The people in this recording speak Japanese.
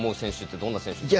どんな選手ですか？